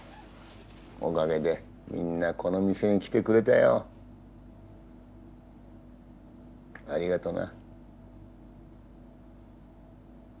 おかげでみんなこの店に来てくれたよ。ありがとな。